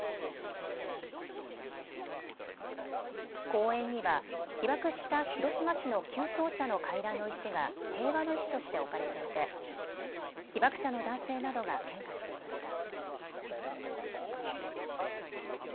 公園には被爆した広島市の旧庁舎の階段の石が平和の石として置かれていて被爆者の男性などが献花していました。